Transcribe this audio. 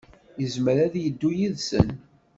Yezmer ad yeddu yid-sen.